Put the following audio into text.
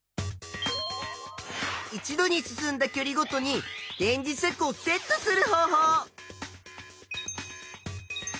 一度に進んだきょりごとに電磁石をセットする方法！